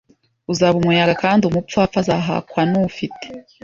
uzaba umuyaga Kandi umupfapfa azahakwa n ufite